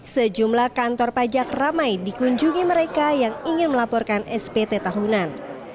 sejumlah kantor pajak ramai dikunjungi mereka yang ingin melaporkan spt tahunan